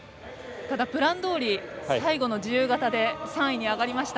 ただプランどおり最後の自由形で３位に上がりました。